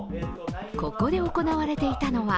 ここで行われていたのは